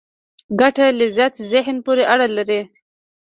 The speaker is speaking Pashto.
ګټه لذت ذهن پورې اړه لري.